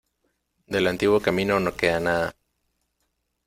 Del antiguo camino no queda nada.